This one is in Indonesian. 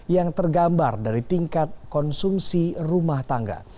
yang tergambar dari tingkat konsumsi rumah tangga